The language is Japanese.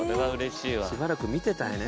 しばらく見ていたいね。